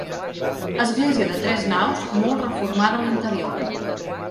Església de tres naus, molt reformada a l'interior.